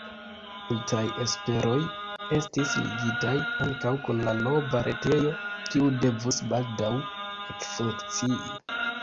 Multaj esperoj estis ligitaj ankaŭ kun la nova retejo, kiu devus “baldaŭ” ekfunkcii.